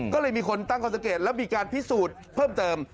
ก็เลยมีคนตั้งข้อสังเกตแล้วมีการพิสูจน์เพิ่มเติม